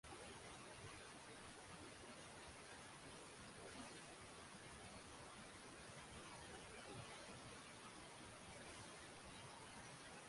তার গবেষণার ক্ষেত্রে তিনি অন্যতম সেরা প্রভাষক হিসাবে পরিচিত।